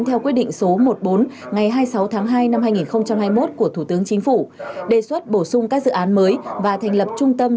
theo quyết định số một mươi bốn ngày hai mươi sáu tháng hai năm hai nghìn hai mươi một của thủ tướng chính phủ đề xuất bổ sung các dự án mới và thành lập trung tâm